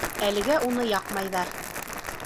Әлегә уны яҡмайҙар.